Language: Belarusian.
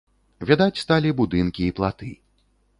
Відаць сталі будынкі і платы.